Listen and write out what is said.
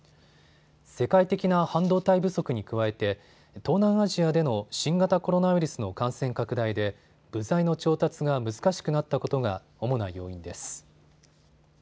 世界的な半導体不足に加えて東南アジアでの新型コロナウイルスの感染拡大で部材の調達が難しくなったことが主な要因です。